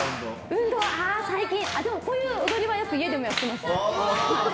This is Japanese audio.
運動は最近、こういう踊りは家でもやってます。